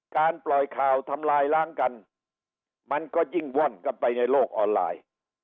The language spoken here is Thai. ปล่อยข่าวทำลายล้างกันมันก็ยิ่งว่อนกันไปในโลกออนไลน์